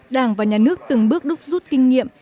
đảng và nhà nước từng bước đúc rút kinh nghiệm